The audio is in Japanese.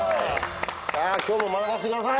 さあ今日も学ばせてください